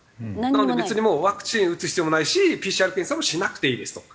なので別にもうワクチン打つ必要もないしＰＣＲ検査もしなくていいですと。